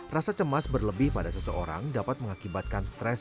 rasa cemas berlebih pada seseorang dapat mengakibatkan stres